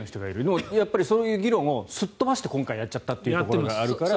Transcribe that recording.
でも、やっぱりそういう議論をすっ飛ばして今回やっちゃったというのがあるから。